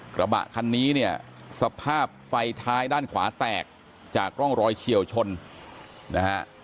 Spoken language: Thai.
กระบะคันนี้เนี่ยสภาพไฟท้ายด้านขวาแตกจากร่องรอยเฉียวชนนะฮะ